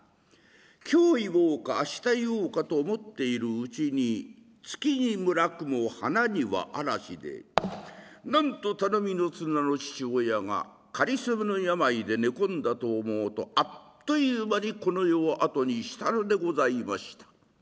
今日言おうか明日言おうかと思っているうちに「月に叢雲花には嵐」でなんと頼みの綱の父親がかりそめの病で寝込んだと思うとあっという間にこの世を後にしたのでございました。